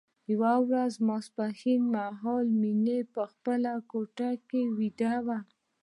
یوه ورځ ماسپښين مهال مينه په خپله کوټه کې ويده وه